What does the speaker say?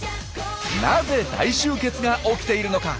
なぜ大集結が起きているのか。